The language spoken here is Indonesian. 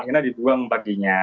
akhirnya dibuang baginya